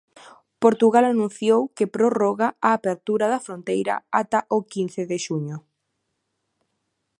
Portugal anunciou que prorroga a apertura da fronteira ata o quince de xuño.